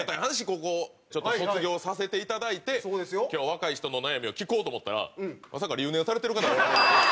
ここをちょっと卒業させていただいて今日は若い人の悩みを聞こうと思ったらまさか留年されてる方がおられるとは。